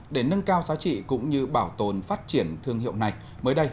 để nâng cao giá trị cũng như bảo tồn phát triển thương hiệu này mới đây